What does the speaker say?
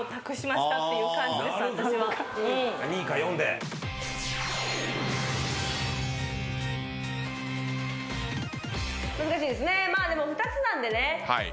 まあでも２つなんでね